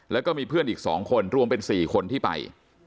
แล้วก็มีเพื่อนอีก๒คนรวมเป็น๔คนที่ไป